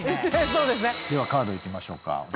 ではカードいきましょうか。